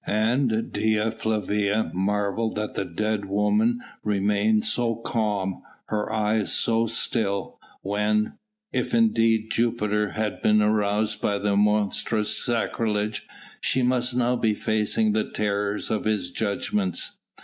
And Dea Flavia marvelled that the dead woman remained so calm, her eyes so still, when if indeed Jupiter had been aroused by the monstrous sacrilege she must now be facing the terrors of his judgments.